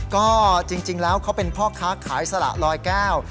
ก็จริงแล้วเขาเป็นพ่อค้าขายสละลอยแก้ว